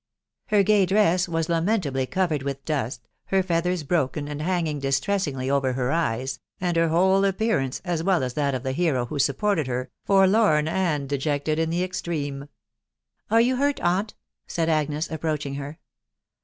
Her gay dress was lamentably covered with dust, her feathers broken and hanging distress ingly over her eyes, and her whole appearance, as well as that of the hero who supported her, forlorn and defected in the THE WIDOW BARNABY* 21£ " Are you hurt, aunt ?" said Agnes, approaching her.